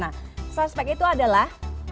nah suspek itu adalah